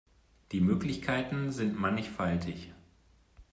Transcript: Die Möglichkeiten sind mannigfaltig.